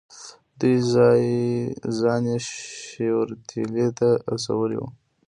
دوی ځان یې شیورتیلي ته رسولی وو.